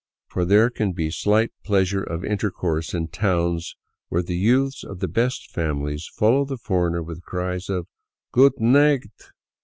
For there can be slight pleasure of intercourse in towns where the youths of the " best families " follow the foreigner with cries of " Goot neeght.